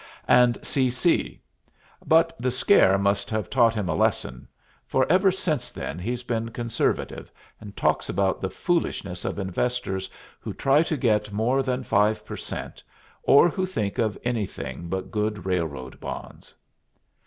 and C. C. But the scare must have taught him a lesson, for ever since then he's been conservative, and talks about the foolishness of investors who try to get more than five per cent, or who think of anything but good railroad bonds.